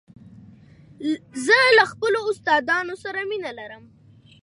زه له خپلو استادانو سره مینه لرم.